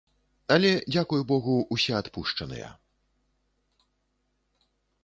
Але, дзякуй богу, усе адпушчаныя.